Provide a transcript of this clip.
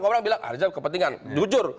orang bilang ada kepentingan jujur